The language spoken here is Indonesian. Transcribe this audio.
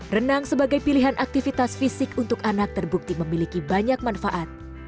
renang sebagai pilihan aktivitas fisik untuk anak terbukti memiliki banyak manfaat